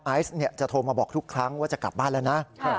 ไอซ์จะโทรมาบอกทุกครั้งว่าจะกลับบ้านแล้วนะ